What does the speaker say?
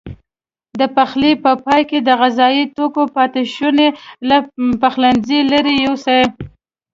د پخلي په پای کې د غذايي توکو پاتې شونې له پخلنځي لیرې یوسئ.